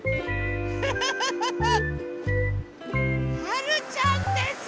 はるちゃんです！